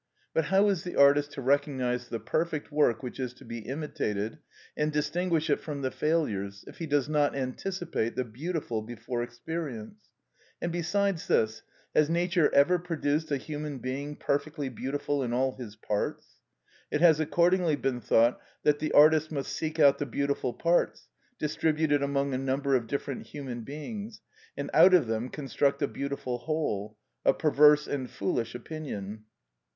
But how is the artist to recognise the perfect work which is to be imitated, and distinguish it from the failures, if he does not anticipate the beautiful before experience? And besides this, has nature ever produced a human being perfectly beautiful in all his parts? It has accordingly been thought that the artist must seek out the beautiful parts, distributed among a number of different human beings, and out of them construct a beautiful whole; a perverse and foolish opinion.